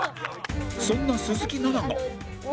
そんな鈴木奈々が